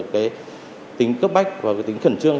cái tính cấp bách và cái tính khẩn trương